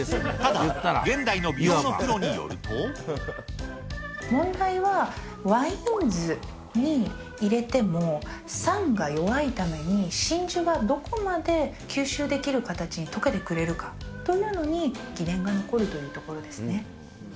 ただ、問題は、ワイン酢に入れても、酸が弱いために、真珠がどこまで吸収できる形に溶けてくれるかというのに疑念が残るというところですね。